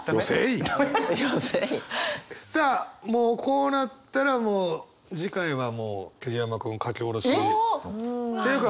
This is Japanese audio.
さあもうこうなったらもう次回はもう桐山君書き下ろし。っていうか